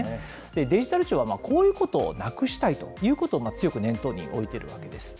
デジタル庁はこういうことをなくしたいということを強く念頭に置いているわけです。